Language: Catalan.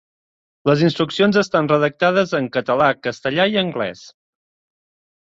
Les instruccions estan redactades en català, castellà i anglès.